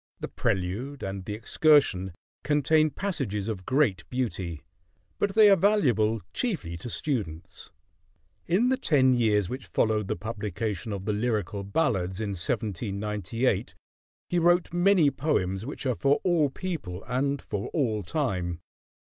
"The Prelude" and "The Excursion" contain passages of great beauty; but they are valuable chiefly to students. In the ten years which followed the publication of the "Lyrical Ballads" in 1798 he wrote many poems which are for all people and for all time.